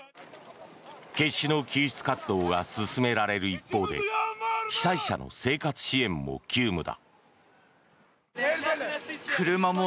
決死の救出活動が進められる一方で被災者の生活支援も急務だ。